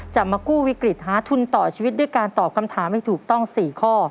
จะมากู้วิกฤตหาทุนต่อชีวิตด้วยการตอบคำถามให้ถูกต้อง๔ข้อ